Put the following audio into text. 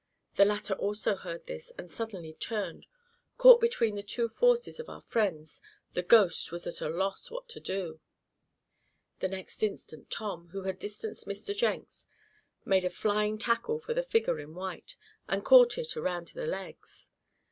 The latter also heard this, and suddenly turned. Caught between the two forces of our friends, the "ghost" was at a loss what to do. The next instant Tom, who had distanced Mr. Jenks, made a flying tackle for the figure in white, and caught it around the legs.